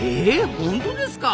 本当ですか！？